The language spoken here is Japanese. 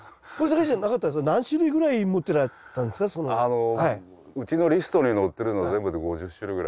あのうちのリストに載ってるのは５０種類！